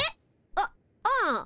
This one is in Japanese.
うっうん。